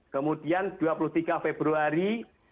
kemudian dua puluh tiga februari